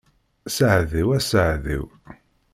Saɛd-iw a saɛd-iw.